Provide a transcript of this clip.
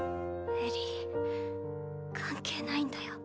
エリー関係ないんだよ